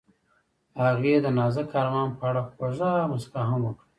هغې د نازک آرمان په اړه خوږه موسکا هم وکړه.